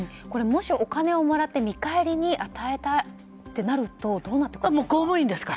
もし、お金をもらって見返りに与えたとなるとどんなことになりますか？